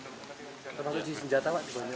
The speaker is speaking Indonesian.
termasuk di senjata pak